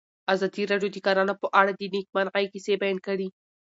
ازادي راډیو د کرهنه په اړه د نېکمرغۍ کیسې بیان کړې.